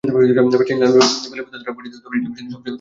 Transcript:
প্রাচীন লাল বেলেপাথর দ্বারা গঠিত এটি ব্রিটেনের সবচেয়ে উচু সী স্ট্যাক।